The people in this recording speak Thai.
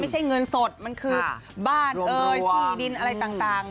ไม่ใช่เงินสดมันคือบ้านสี่ดินอะไรต่าง